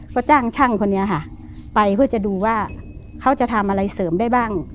ก็จ้างช่างคนนี้ค่ะไปเพื่อจะดูว่าเขาจะทำอะไรเสริมได้บ้าง